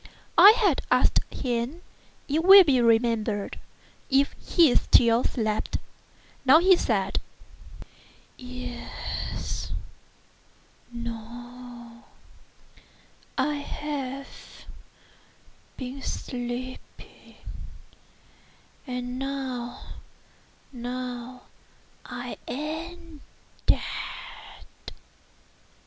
I had asked him, it will be remembered, if he still slept. He now said: "Yes;—no;—I have been sleeping—and now—now—I am dead."